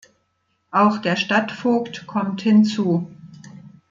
Auch der Stadtvogt kommt hinzu.